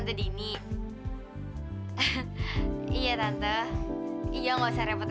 kali ini kalau aku saya lihat eh